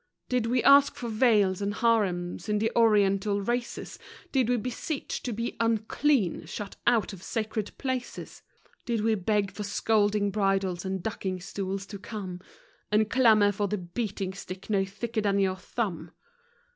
Did we ask for veils and harems in the Oriental races? Did we beseech to be "unclean," shut out of sacred places? Did we beg for scolding bridles and ducking stools to come? And clamor for the beating stick no thicker than your thumb?